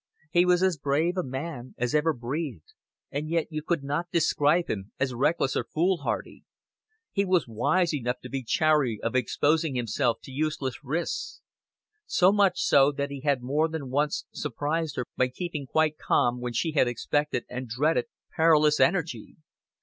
He was as brave a man as ever breathed, and yet you could not describe him as reckless or foolhardy. He was wise enough to be chary of exposing himself to useless risks. So much so that he had more than once surprised her by keeping quite calm when she had expected and dreaded perilous energy.